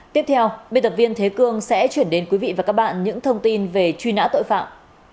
tiếp theo biên tập viên thế cương sẽ chuyển đến quý vị và các bạn những thông tin về truy nã tội phạm